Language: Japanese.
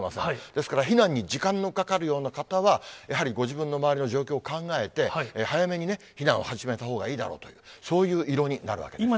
ですから、避難に時間のかかるような方は、やはりご自分の周りの状況を考えて、早めに避難を始めたほうがいいだろうという、そういう色になるわけです。